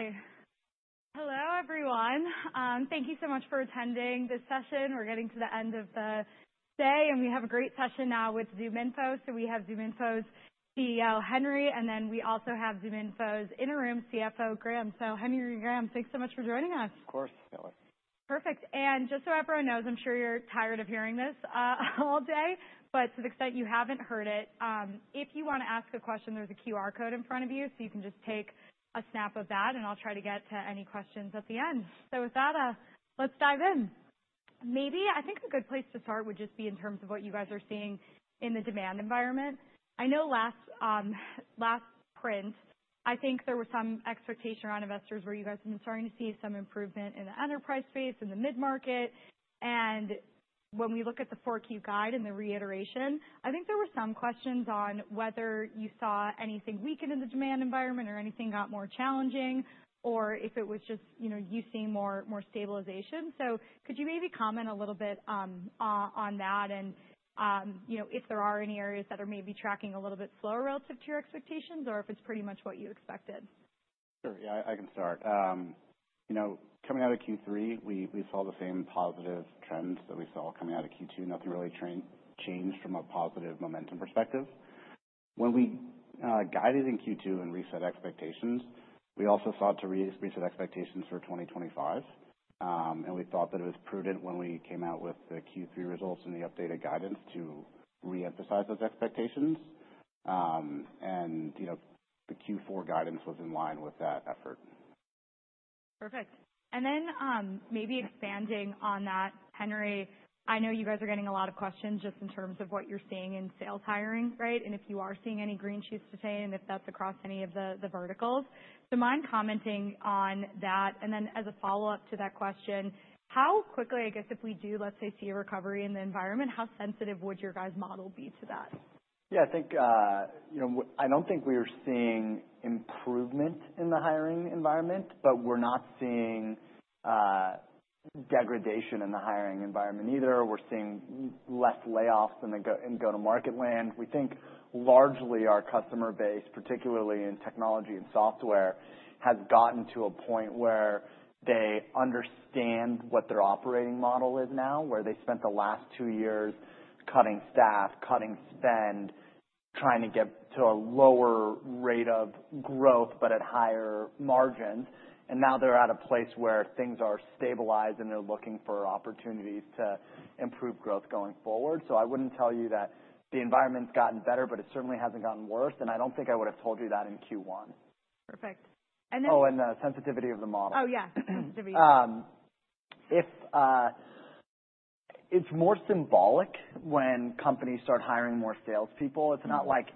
Okay. Hello everyone. Thank you so much for attending this session. We're getting to the end of the day, and we have a great session now with ZoomInfo. So we have ZoomInfo's CEO, Henry, and then we also have ZoomInfo's interim CFO, Graham. So Henry and Graham, thanks so much for joining us. Of course. Perfect. And just so everyone knows, I'm sure you're tired of hearing this all day. But to the extent you haven't heard it, if you wanna ask a question, there's a QR code in front of you, so you can just take a snap of that, and I'll try to get to any questions at the end. So with that, let's dive in. Maybe I think a good place to start would just be in terms of what you guys are seeing in the demand environment. I know last print, I think there was some expectation around investors where you guys have been starting to see some improvement in the enterprise space, in the mid-market. When we look at the forward guidance and the reiteration, I think there were some questions on whether you saw anything weaken in the demand environment or anything got more challenging, or if it was just, you know, you seeing more, more stabilization. So could you maybe comment a little bit on that and, you know, if there are any areas that are maybe tracking a little bit slower relative to your expectations or if it's pretty much what you expected? Sure. Yeah, I can start. You know, coming out of Q3, we saw the same positive trends that we saw coming out of Q2. Nothing really changed from a positive momentum perspective. When we guided in Q2 and reset expectations, we also sought to reset expectations for 2025. We thought that it was prudent when we came out with the Q3 results and the updated guidance to reemphasize those expectations. You know, the Q4 guidance was in line with that effort. Perfect. And then, maybe expanding on that, Henry, I know you guys are getting a lot of questions just in terms of what you're seeing in sales hiring, right? And if you are seeing any green shoots to name, if that's across any of the, the verticals. So mind commenting on that. And then as a follow-up to that question, how quickly, I guess, if we do, let's say, see a recovery in the environment, how sensitive would your guys' model be to that? Yeah, I think, you know, I don't think we are seeing improvement in the hiring environment. But we're not seeing degradation in the hiring environment either. We're seeing less layoffs in the go-to-market land. We think largely our customer base, particularly in technology and software, has gotten to a point where they understand what their operating model is now, where they spent the last two years cutting staff, cutting spend, trying to get to a lower rate of growth but at higher margins. And now they're at a place where things are stabilized, and they're looking for opportunities to improve growth going forward. So I wouldn't tell you that the environment's gotten better, but it certainly hasn't gotten worse. And I don't think I would've told you that in Q1. Perfect. And then. Oh, and the sensitivity of the model. Oh, yeah. Sensitivity. It's more symbolic when companies start hiring more salespeople. It's not like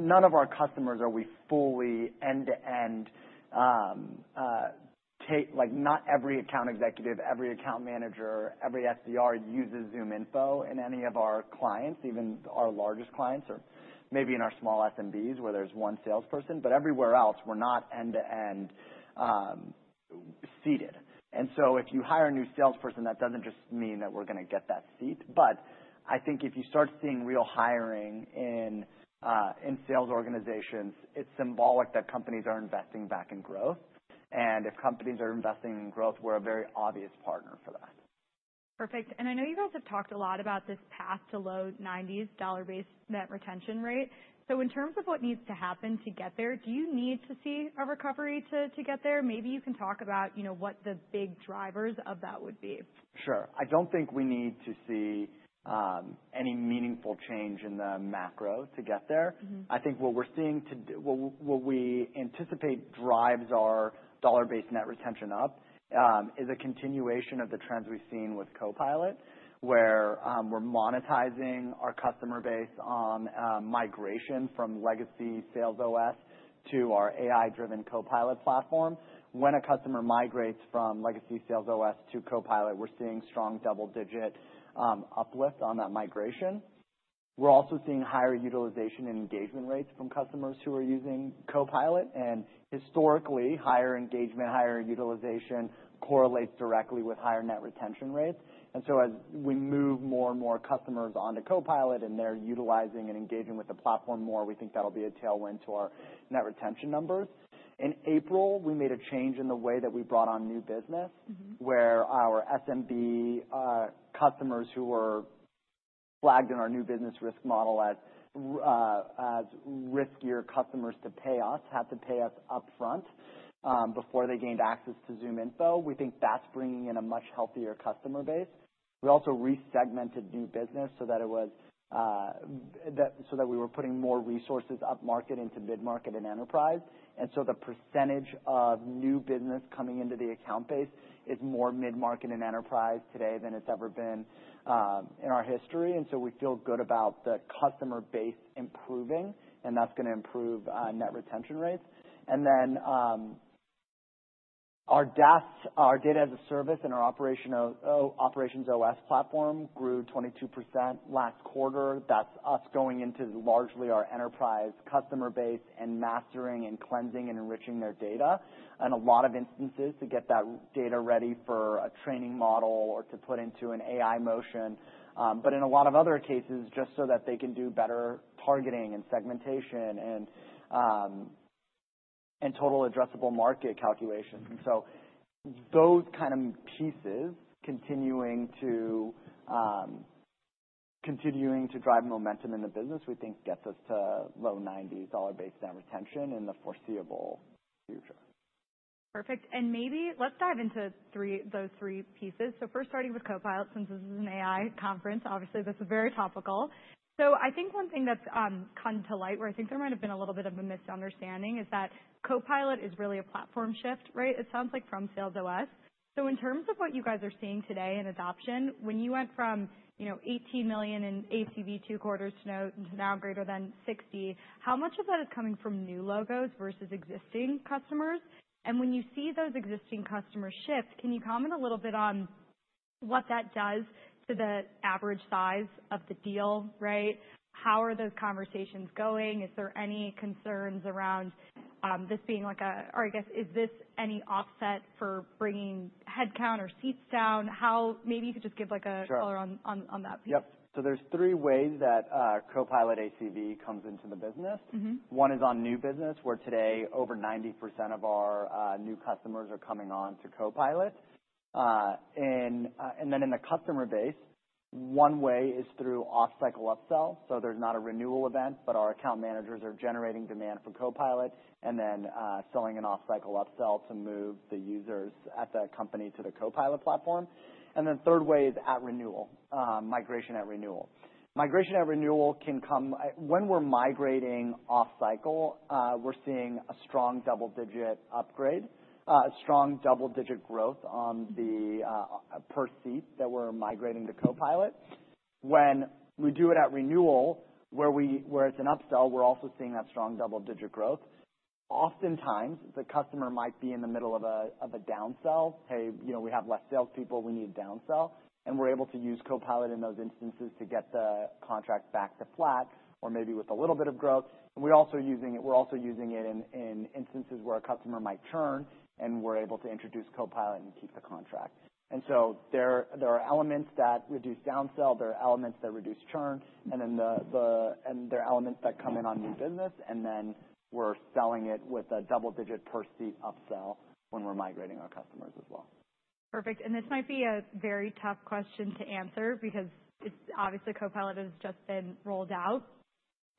none of our customers are we fully end-to-end, not every account executive, every account manager, every SDR uses ZoomInfo in any of our clients, even our largest clients, or maybe in our small SMBs where there's one salesperson. But everywhere else, we're not end-to-end, seated. And so if you hire a new salesperson, that doesn't just mean that we're gonna get that seat. But I think if you start seeing real hiring in sales organizations, it's symbolic that companies are investing back in growth. And if companies are investing in growth, we're a very obvious partner for that. Perfect. And I know you guys have talked a lot about this path to low 90% dollar-based net retention rate. So in terms of what needs to happen to get there, do you need to see a recovery to, to get there? Maybe you can talk about, you know, what the big drivers of that would be. Sure. I don't think we need to see any meaningful change in the macro to get there. Mm-hmm. I think what we're seeing, what we anticipate drives our dollar-based net retention up, is a continuation of the trends we've seen with Copilot, where we're monetizing our customer base on migration from legacy SalesOS to our AI-driven Copilot platform. When a customer migrates from legacy SalesOS to Copilot, we're seeing strong double-digit uplift on that migration. We're also seeing higher utilization and engagement rates from customers who are using Copilot. And historically, higher engagement, higher utilization correlates directly with higher net retention rates. And so as we move more and more customers onto Copilot and they're utilizing and engaging with the platform more, we think that'll be a tailwind to our net retention numbers. In April, we made a change in the way that we brought on new business. Mm-hmm. Where our SMB customers who were flagged in our New Business Risk Model as riskier customers to pay us had to pay us upfront before they gained access to ZoomInfo. We think that's bringing in a much healthier customer base. We also resegmented new business so that we were putting more resources upmarket into mid-market and enterprise. And so the percentage of new business coming into the account base is more mid-market and enterprise today than it's ever been in our history. And so we feel good about the customer base improving, and that's gonna improve net retention rates. And then our DaaS, our Data as a Service and our OperationsOS platform grew 22% last quarter. That's us going into largely our enterprise customer base and mastering and cleansing and enriching their data in a lot of instances to get that data ready for a training model or to put into an AI motion, but in a lot of other cases just so that they can do better targeting and segmentation and total addressable market calculations, and so those kind of pieces continuing to drive momentum in the business, we think gets us to low 90% dollar-based net retention in the foreseeable future. Perfect. And maybe let's dive into three, those three pieces. So first, starting with Copilot, since this is an AI conference, obviously this is very topical. So I think one thing that's come to light, where I think there might have been a little bit of a misunderstanding, is that Copilot is really a platform shift, right? It sounds like from SalesOS. So in terms of what you guys are seeing today in adoption, when you went from, you know, $18 million in ACV two quarters to now greater than $60 million, how much of that is coming from new logos versus existing customers? And when you see those existing customers shift, can you comment a little bit on what that does to the average size of the deal, right? How are those conversations going? Is there any concerns around this being like a, or I guess, is this any offset for bringing headcount or seats down? How maybe you could just give like a. Sure. Color on that piece. Yep. So there's three ways that Copilot ACV comes into the business. Mm-hmm. One is on new business, where today over 90% of our new customers are coming on to Copilot. And then in the customer base, one way is through off-cycle upsell. So there's not a renewal event, but our account managers are generating demand for Copilot and then selling an off-cycle upsell to move the users at the company to the Copilot platform. And then third way is at renewal, migration at renewal. Migration at renewal can come when we're migrating off-cycle. We're seeing a strong double-digit upgrade, a strong double-digit growth on the per seat that we're migrating to Copilot. When we do it at renewal, where it's an upsell, we're also seeing that strong double-digit growth. Oftentimes, the customer might be in the middle of a downsell. Hey, you know, we have less salespeople. We need a downsell. And we're able to use Copilot in those instances to get the contract back to flat or maybe with a little bit of growth. And we're also using it in instances where a customer might churn, and we're able to introduce Copilot and keep the contract. And so there are elements that reduce downsell. There are elements that reduce churn. Mm-hmm. And then there are elements that come in on new business, and then we're selling it with a double-digit per seat upsell when we're migrating our customers as well. Perfect. And this might be a very tough question to answer because it's obviously Copilot has just been rolled out.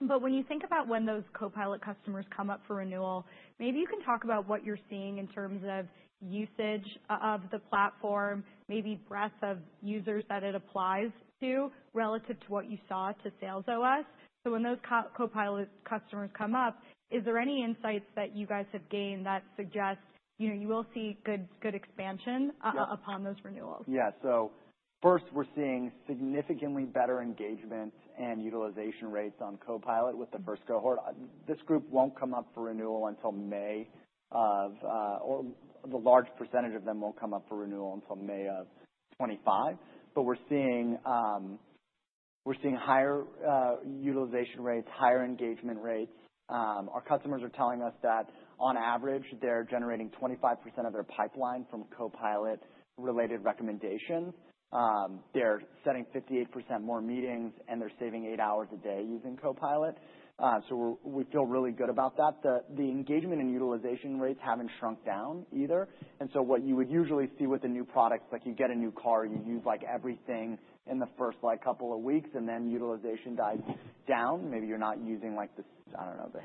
But when you think about when those Copilot customers come up for renewal, maybe you can talk about what you're seeing in terms of usage of the platform, maybe breadth of users that it applies to relative to what you saw to SalesOS. So when those Copilot customers come up, is there any insights that you guys have gained that suggest, you know, you will see good, good expansion upon those renewals? Yeah. So first, we're seeing significantly better engagement and utilization rates on Copilot with the first cohort. This group won't come up for renewal until May of 2025, or the large percentage of them won't come up for renewal until May of 2025. But we're seeing higher utilization rates, higher engagement rates. Our customers are telling us that on average, they're generating 25% of their pipeline from Copilot-related recommendations. They're setting 58% more meetings, and they're saving eight hours a day using Copilot, so we feel really good about that. The engagement and utilization rates haven't shrunk down either, and so what you would usually see with a new product, like you get a new car, you use like everything in the first, like, couple of weeks, and then utilization dies down. Maybe you're not using like the, I don't know, the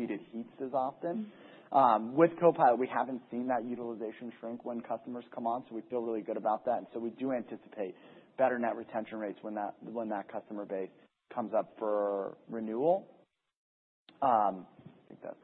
heated seats as often. Mm-hmm. With Copilot, we haven't seen that utilization shrink when customers come on, so we feel really good about that. And so we do anticipate better net retention rates when that, when that customer base comes up for renewal. I think that's.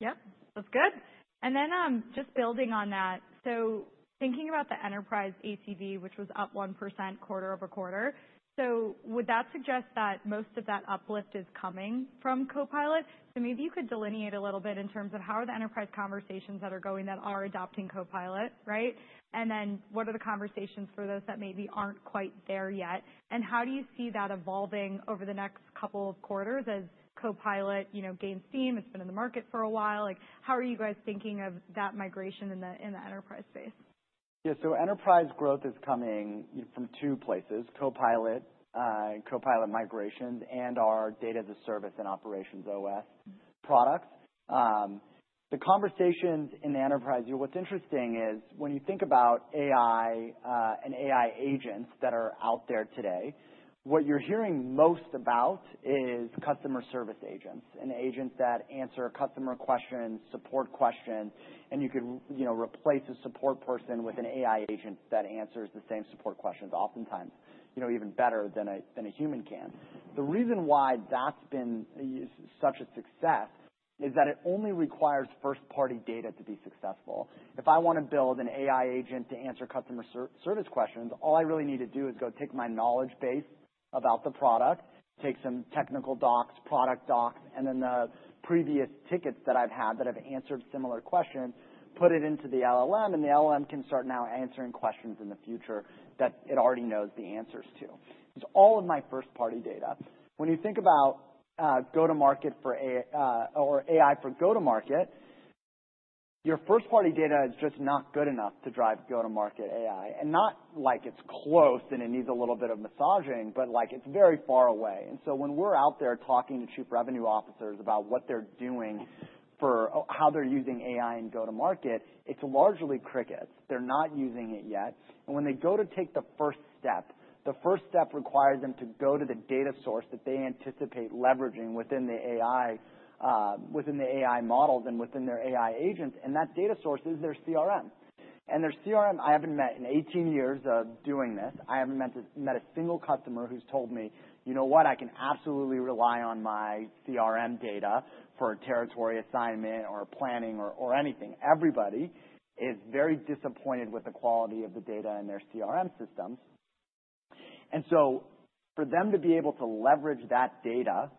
Yep. That's good. And then, just building on that, so thinking about the enterprise ACV, which was up 1% quarter over quarter, so would that suggest that most of that uplift is coming from Copilot? So maybe you could delineate a little bit in terms of how are the enterprise conversations that are going that are adopting Copilot, right? And then what are the conversations for those that maybe aren't quite there yet? And how do you see that evolving over the next couple of quarters as Copilot, you know, gains steam? It's been in the market for a while. Like, how are you guys thinking of that migration in the, in the enterprise space? Yeah. So enterprise growth is coming, you know, from two places: Copilot, Copilot migrations and our Data as a Service and OperationsOS products. The conversations in the enterprise, you know, what's interesting is when you think about AI, and AI agents that are out there today, what you're hearing most about is customer service agents, and agents that answer customer questions, support questions, and you could, you know, replace a support person with an AI agent that answers the same support questions oftentimes, you know, even better than a human can. The reason why that's been such a success is that it only requires first-party data to be successful. If I wanna build an AI agent to answer customer service questions, all I really need to do is go take my knowledge base about the product, take some technical docs, product docs, and then the previous tickets that I've had that have answered similar questions, put it into the LLM, and the LLM can start now answering questions in the future that it already knows the answers to. It's all of my first-party data. When you think about go-to-market for AI, or AI for go-to-market, your first-party data is just not good enough to drive go-to-market AI. And not like it's close and it needs a little bit of massaging, but like it's very far away. And so when we're out there talking to chief revenue officers about what they're doing for how they're using AI in go-to-market, it's largely crickets. They're not using it yet. And when they go to take the first step, the first step requires them to go to the data source that they anticipate leveraging within the AI, within the AI models and within their AI agents. And that data source is their CRM. And their CRM, I haven't met in 18 years of doing this, I haven't met a single customer who's told me, "You know what? I can absolutely rely on my CRM data for territory assignment or planning or anything." Everybody is very disappointed with the quality of the data in their CRM systems. And so for them to be able to leverage that data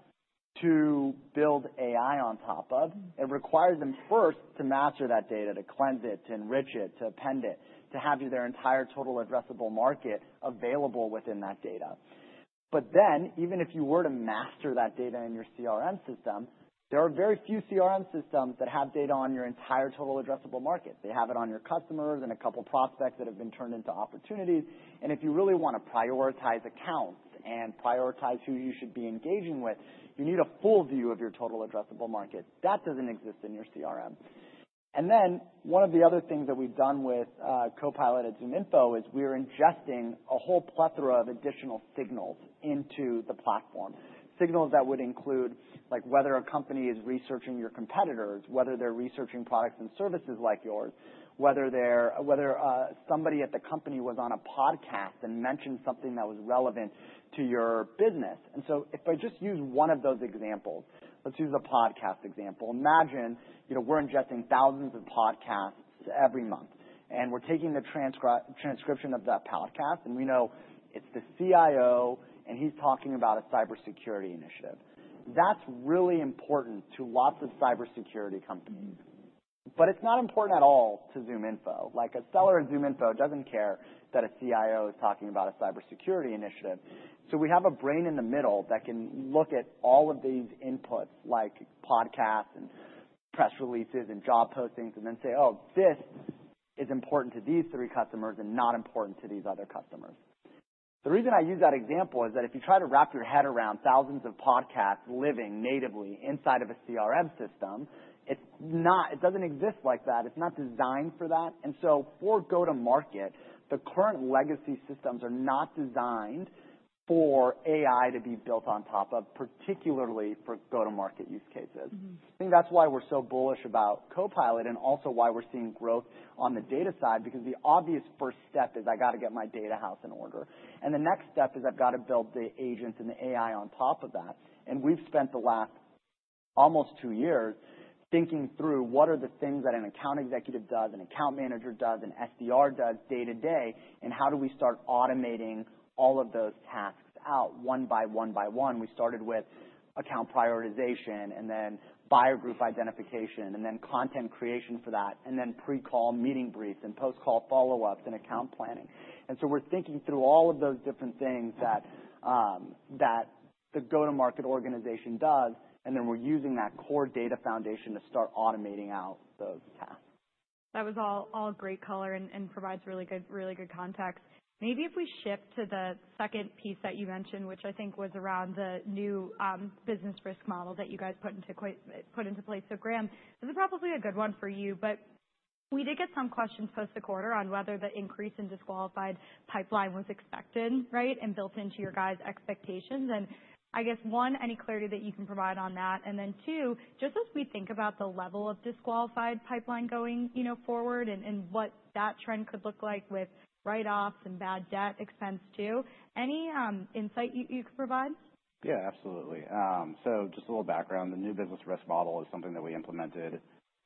to build AI on top of, it requires them first to master that data, to cleanse it, to enrich it, to append it, to have their entire total addressable market available within that data. But then, even if you were to master that data in your CRM system, there are very few CRM systems that have data on your entire total addressable market. They have it on your customers and a couple prospects that have been turned into opportunities, and if you really wanna prioritize accounts and prioritize who you should be engaging with, you need a full view of your total addressable market. That doesn't exist in your CRM, and then one of the other things that we've done with Copilot in ZoomInfo is we're ingesting a whole plethora of additional signals into the platform. Signals that would include, like, whether a company is researching your competitors, whether they're researching products and services like yours, whether somebody at the company was on a podcast and mentioned something that was relevant to your business. If I just use one of those examples, let's use a podcast example. Imagine, you know, we're ingesting thousands of podcasts every month. And we're taking the transcription of that podcast, and we know it's the CIO, and he's talking about a cybersecurity initiative. That's really important to lots of cybersecurity companies. But it's not important at all to ZoomInfo. Like, a seller at ZoomInfo doesn't care that a CIO is talking about a cybersecurity initiative. So we have a brain in the middle that can look at all of these inputs, like podcasts and press releases and job postings, and then say, "Oh, this is important to these three customers and not important to these other customers." The reason I use that example is that if you try to wrap your head around thousands of podcasts living natively inside of a CRM system, it's not, it doesn't exist like that. It's not designed for that. And so for go-to-market, the current legacy systems are not designed for AI to be built on top of, particularly for go-to-market use cases. Mm-hmm. I think that's why we're so bullish about Copilot and also why we're seeing growth on the data side, because the obvious first step is I gotta get my data house in order, and the next step is I've gotta build the agents and the AI on top of that, and we've spent the last almost two years thinking through what are the things that an account executive does, an account manager does, an SDR does day to day, and how do we start automating all of those tasks out one by one by one. We started with account prioritization and then buyer group identification and then content creation for that, and then pre-call meeting briefs and post-call follow-ups and account planning. And so we're thinking through all of those different things that the go-to-market organization does, and then we're using that core data foundation to start automating out those tasks. That was all great color and provides really good context. Maybe if we shift to the second piece that you mentioned, which I think was around the new business risk model that you guys put into place. So Graham, this is probably a good one for you, but we did get some questions post the quarter on whether the increase in disqualified pipeline was expected, right, and built into your guys' expectations. And I guess, one, any clarity that you can provide on that. And then two, just as we think about the level of disqualified pipeline going forward and what that trend could look like with write-offs and bad debt expense too, any insight you could provide? Yeah. Absolutely. So just a little background. The new business risk model is something that we implemented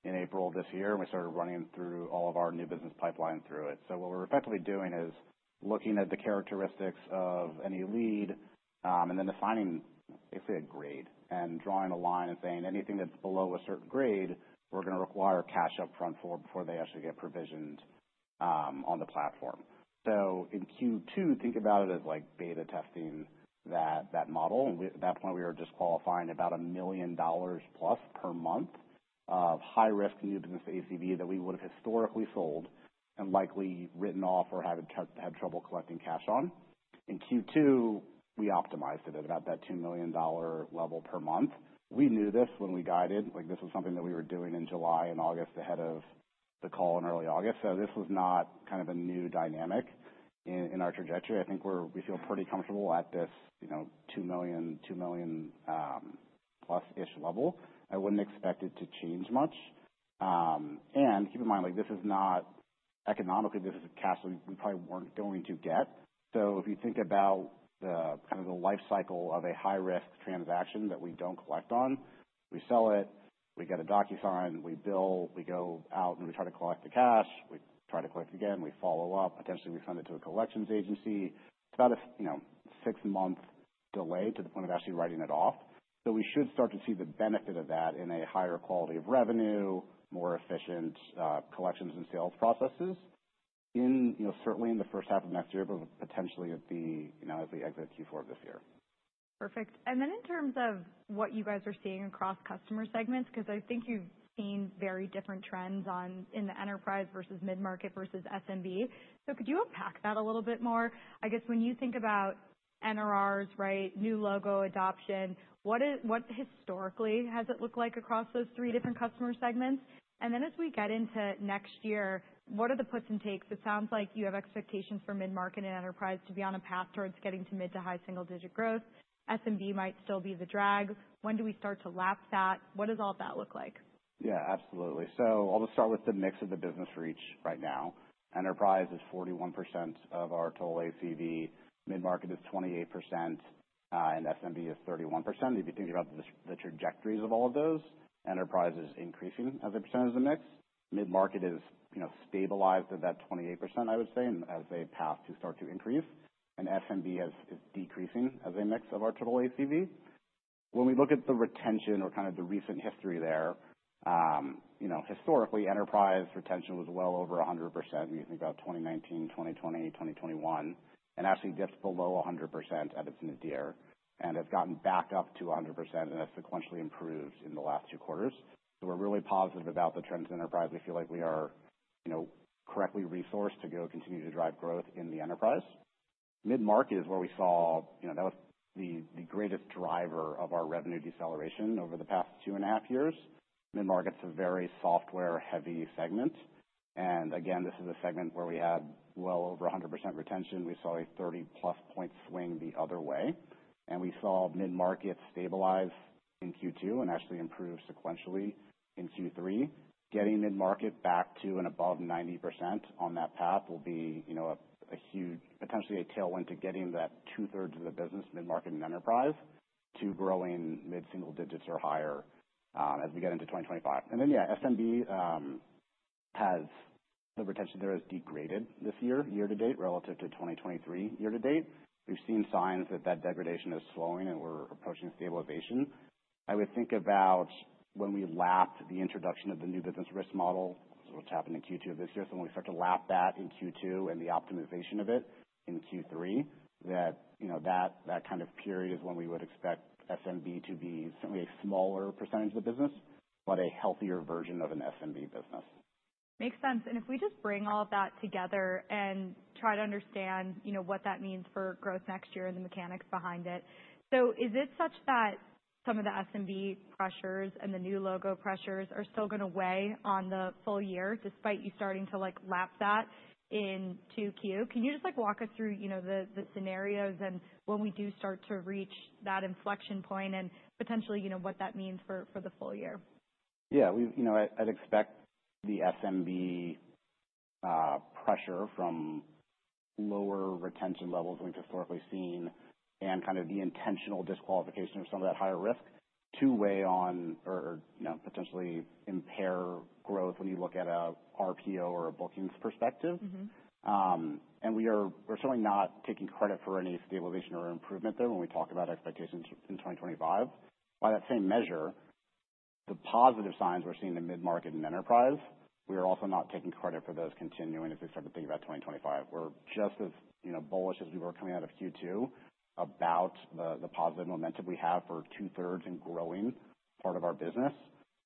in April of this year, and we started running through all of our new business pipeline through it. So what we're effectively doing is looking at the characteristics of any lead, and then assigning basically a grade and drawing a line and saying anything that's below a certain grade, we're gonna require cash upfront for before they actually get provisioned on the platform. So in Q2, think about it as like beta testing that model. And we, at that point, we were disqualifying about $1 million+ per month of high-risk new business ACV that we would've historically sold and likely written off or had trouble collecting cash on. In Q2, we optimized it at about that $2 million level per month. We knew this when we guided, like, this was something that we were doing in July and August ahead of the call in early August, so this was not kind of a new dynamic in our trajectory. I think we feel pretty comfortable at this, you know, $2 million, $2 million plus-ish level. I wouldn't expect it to change much, and keep in mind, like, this is not economically, this is a cash we probably weren't going to get. So if you think about the kind of the life cycle of a high-risk transaction that we don't collect on, we sell it, we get a DocuSign, we bill, we go out, and we try to collect the cash, we try to collect again, we follow up, potentially we send it to a collections agency. It's about, you know, a six-month delay to the point of actually writing it off. So we should start to see the benefit of that in a higher quality of revenue, more efficient collections and sales processes in, you know, certainly in the first half of next year, but potentially at the, you know, as we exit Q4 of this year. Perfect. And then in terms of what you guys are seeing across customer segments, 'cause I think you've seen very different trends in the enterprise versus mid-market versus SMB. So could you unpack that a little bit more? I guess when you think about NRRs, right, new logo adoption, what is, what historically has it looked like across those three different customer segments? And then as we get into next year, what are the puts and takes? It sounds like you have expectations for mid-market and enterprise to be on a path towards getting to mid to high single-digit growth. SMB might still be the drag. When do we start to lap that? What does all of that look like? Yeah. Absolutely. I'll just start with the mix of the business right now. Enterprise is 41% of our total ACV. Mid-market is 28%, and SMB is 31%. If you think about the trajectories of all of those, enterprise is increasing as a percentage of the mix. Mid-market is, you know, stabilized at that 28%, I would say, and SMB has started to decrease. SMB is decreasing as a mix of our total ACV. When we look at the retention or kind of the recent history there, you know, historically, enterprise retention was well over 100%. We think about 2019, 2020, 2021, and actually dipped below 100% at its mid-year. It's gotten back up to 100% and has sequentially improved in the last two quarters. So we're really positive about the trends in enterprise. We feel like we are, you know, correctly resourced to go continue to drive growth in the enterprise. Mid-market is where we saw, you know, that was the greatest driver of our revenue deceleration over the past two and a half years. Mid-market's a very software-heavy segment. Again, this is a segment where we had well over 100% retention. We saw a 30+ point swing the other way, and we saw mid-market stabilize in Q2 and actually improve sequentially in Q3. Getting mid-market back to and above 90% on that path will be, you know, a huge, potentially a tailwind to getting that 2/3 of the business mid-market and enterprise to growing mid-single digits or higher, as we get into 2025. Then, yeah, SMB has the retention there degraded this year, year-to-date, relative to 2023 year-to-date. We've seen signs that degradation is slowing, and we're approaching stabilization. I would think about when we lapped the introduction of the new business risk model, which happened in Q2 of this year. So when we start to lap that in Q2 and the optimization of it in Q3, that, you know, that kind of period is when we would expect SMB to be certainly a smaller percentage of the business, but a healthier version of an SMB business. Makes sense. And if we just bring all of that together and try to understand, you know, what that means for growth next year and the mechanics behind it. So is it such that some of the SMB pressures and the new logo pressures are still gonna weigh on the full year despite you starting to, like, lap that in Q2? Can you just, like, walk us through, you know, the scenarios and when we do start to reach that inflection point and potentially, you know, what that means for the full year? Yeah. We, you know, I'd expect the SMB pressure from lower retention levels we've historically seen and kind of the intentional disqualification of some of that higher risk to weigh on or, you know, potentially impair growth when you look at a RPO or a bookings perspective. Mm-hmm. And we're certainly not taking credit for any stabilization or improvement there when we talk about expectations in 2025. By that same measure, the positive signs we're seeing in mid-market and enterprise, we are also not taking credit for those continuing as we start to think about 2025. We're just as, you know, bullish as we were coming out of Q2 about the positive momentum we have for two-thirds and growing part of our business.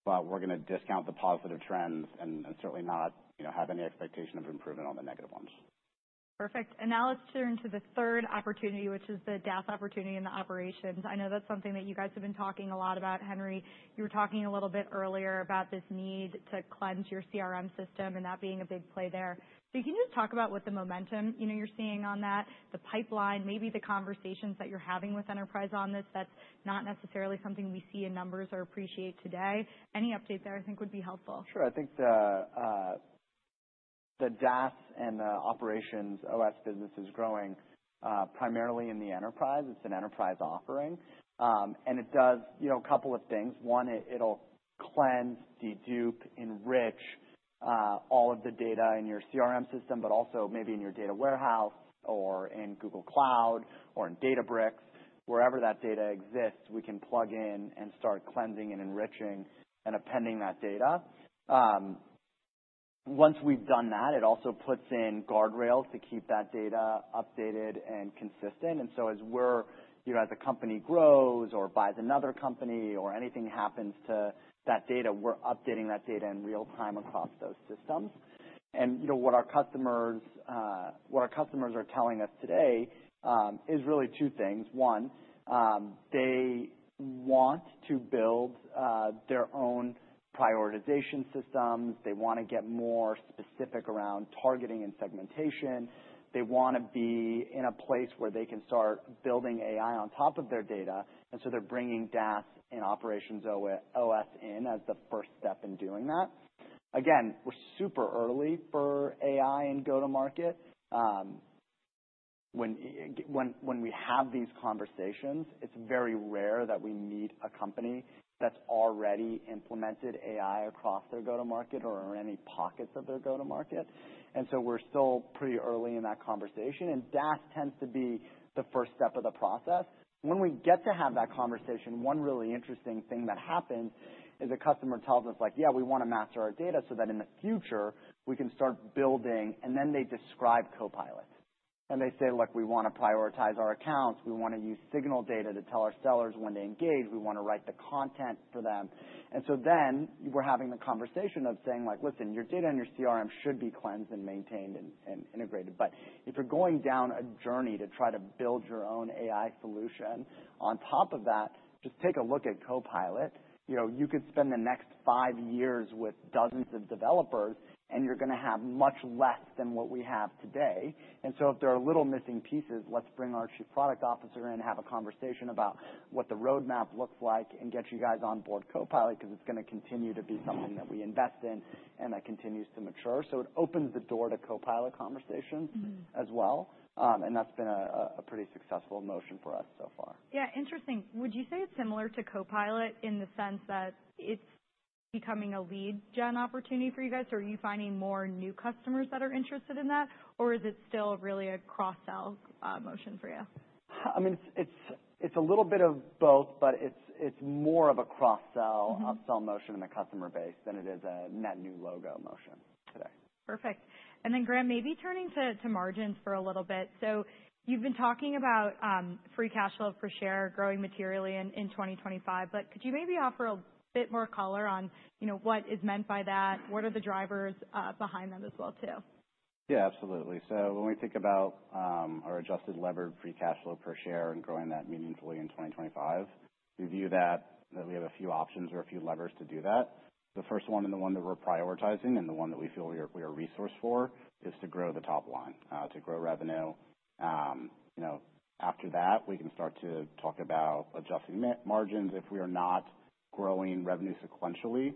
But we're gonna discount the positive trends and certainly not, you know, have any expectation of improvement on the negative ones. Perfect. And now let's turn to the third opportunity, which is the DaaS opportunity in the operations. I know that's something that you guys have been talking a lot about, Henry. You were talking a little bit earlier about this need to cleanse your CRM system and that being a big play there. So can you just talk about what the momentum, you know, you're seeing on that, the pipeline, maybe the conversations that you're having with enterprise on this that's not necessarily something we see in numbers or appreciate today? Any update there I think would be helpful. Sure. I think the DaaS and OperationsOS business is growing, primarily in the enterprise. It's an enterprise offering, and it does, you know, a couple of things. One, it'll cleanse, dedupe, enrich, all of the data in your CRM system, but also maybe in your data warehouse or in Google Cloud or in Databricks. Wherever that data exists, we can plug in and start cleansing and enriching and appending that data. Once we've done that, it also puts in guardrails to keep that data updated and consistent, and you know, what our customers are telling us today is really two things. One, they want to build their own prioritization systems. They wanna get more specific around targeting and segmentation. They wanna be in a place where they can start building AI on top of their data. And so they're bringing DaaS and OperationsOS in as the first step in doing that. Again, we're super early for AI and go-to-market. When we have these conversations, it's very rare that we meet a company that's already implemented AI across their go-to-market or in any pockets of their go-to-market. And so we're still pretty early in that conversation. And DaaS tends to be the first step of the process. When we get to have that conversation, one really interesting thing that happens is a customer tells us, like, "Yeah, we wanna master our data so that in the future we can start building," and then they describe Copilot. And they say, "Look, we wanna prioritize our accounts. We wanna use signal data to tell our sellers when they engage. We wanna write the content for them." And so then we're having the conversation of saying, like, "Listen, your data and your CRM should be cleansed and maintained and, and integrated. But if you're going down a journey to try to build your own AI solution on top of that, just take a look at Copilot. You know, you could spend the next five years with dozens of developers, and you're gonna have much less than what we have today. And so if there are little missing pieces, let's bring our Chief Product Officer in, have a conversation about what the roadmap looks like, and get you guys onboard Copilot 'cause it's gonna continue to be something that we invest in and that continues to mature." So it opens the door to Copilot conversations. Mm-hmm. As well, and that's been a pretty successful motion for us so far. Yeah. Interesting. Would you say it's similar to Copilot in the sense that it's becoming a lead-gen opportunity for you guys? So are you finding more new customers that are interested in that, or is it still really a cross-sell, motion for you? I mean, it's a little bit of both, but it's more of a cross-sell, upsell motion in the customer base than it is a net new logo motion today. Perfect. And then, Graham, maybe turning to margins for a little bit. So you've been talking about free cash flow per share growing materially in 2025. But could you maybe offer a bit more color on, you know, what is meant by that? What are the drivers behind them as well too? Yeah. Absolutely. So when we think about our adjusted levered free cash flow per share and growing that meaningfully in 2025, we view that we have a few options or a few levers to do that. The first one and the one that we're prioritizing and the one that we feel we are resourced for is to grow the top line, to grow revenue. You know, after that, we can start to talk about adjusting margins. If we are not growing revenue sequentially,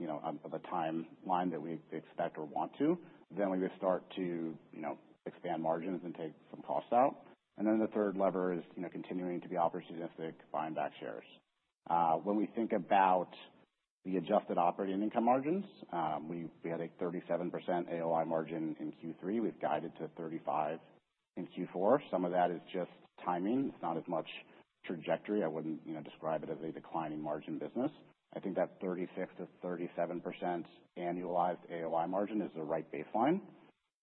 you know, of a timeline that we expect or want to, then we would start to, you know, expand margins and take some costs out. Then the third lever is, you know, continuing to be opportunistic, buying back shares. When we think about the Adjusted Operating Income margins, we had a 37% AOI margin in Q3. We've guided to 35% in Q4. Some of that is just timing. It's not as much trajectory. I wouldn't, you know, describe it as a declining margin business. I think that 36%-37% annualized AOI margin is the right baseline.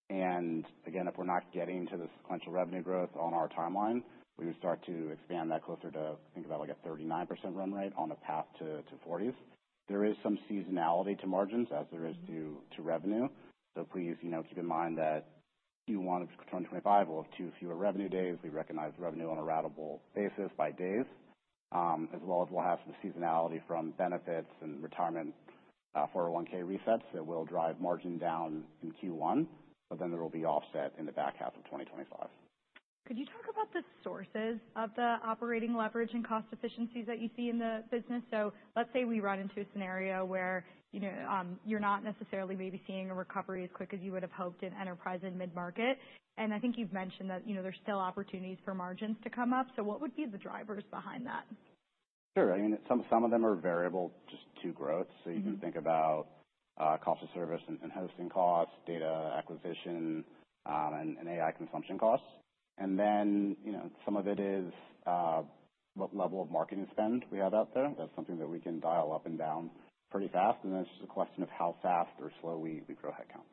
And again, if we're not getting to the sequential revenue growth on our timeline, we would start to expand that closer to, think about like a 39% run rate on the path to 40%. There is some seasonality to margins as there is to revenue. So please, you know, keep in mind that Q1 of 2025, we'll have two fewer revenue days. We recognize revenue on a ratable basis by days, as well as we'll have some seasonality from benefits and retirement, 401(k) resets that will drive margin down in Q1, but then there will be offset in the back half of 2025. Could you talk about the sources of the operating leverage and cost efficiencies that you see in the business? So let's say we run into a scenario where, you know, you're not necessarily maybe seeing a recovery as quick as you would have hoped in enterprise and mid-market. And I think you've mentioned that, you know, there's still opportunities for margins to come up. So what would be the drivers behind that? Sure. I mean, some of them are variable just to growth. So you can think about cost of service and hosting costs, data acquisition, and AI consumption costs. And then, you know, some of it is what level of marketing spend we have out there. That's something that we can dial up and down pretty fast. And then it's just a question of how fast or slow we grow headcount.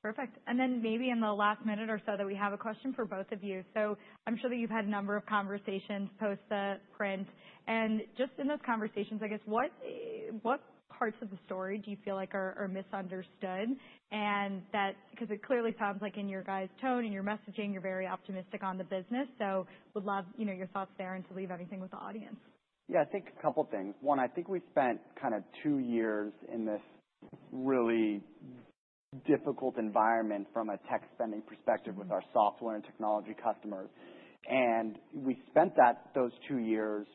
Perfect. And then maybe in the last minute or so that we have, a question for both of you. So I'm sure that you've had a number of conversations post the print. And just in those conversations, I guess, what parts of the story do you feel like are misunderstood? And that's 'cause it clearly sounds like in your guys' tone and your messaging, you're very optimistic on the business. So would love, you know, your thoughts there and to leave everything with the audience. Yeah. I think a couple of things. One, I think we spent kind of two years in this really difficult environment from a tech spending perspective with our software and technology customers. And we spent those two years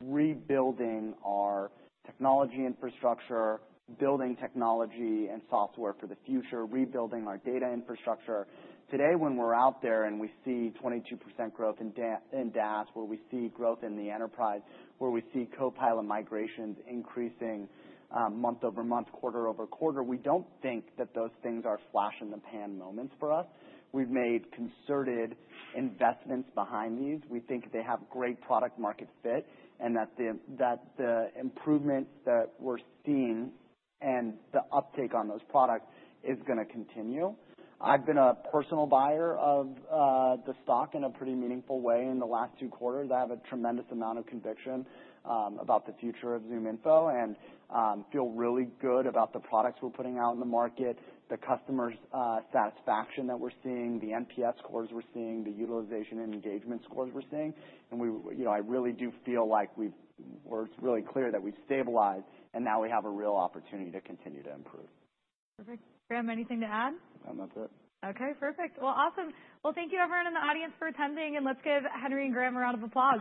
rebuilding our technology infrastructure, building technology and software for the future, rebuilding our data infrastructure. Today, when we're out there and we see 22% growth in DaaS, where we see growth in the enterprise, where we see Copilot migrations increasing, month over month, quarter over quarter, we don't think that those things are flash in the pan moments for us. We've made concerted investments behind these. We think they have great product-market fit and that the improvements that we're seeing and the uptake on those products is gonna continue. I've been a personal buyer of the stock in a pretty meaningful way in the last two quarters. I have a tremendous amount of conviction about the future of ZoomInfo and feel really good about the products we're putting out in the market, the customers' satisfaction that we're seeing, the NPS scores we're seeing, the utilization and engagement scores we're seeing, and we, you know, I really do feel like we've, we're really clear that we've stabilized, and now we have a real opportunity to continue to improve. Perfect. Graham, anything to add? No, that's it. Okay. Perfect. Well, awesome. Well, thank you, everyone in the audience for attending, and let's give Henry and Graham a round of applause.